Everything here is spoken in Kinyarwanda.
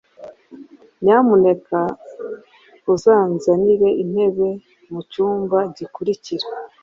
Nyamuneka uzanzanire intebe mucyumba gikurikira.